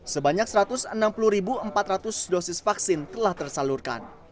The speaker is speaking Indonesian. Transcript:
sebanyak satu ratus enam puluh empat ratus dosis vaksin telah tersalurkan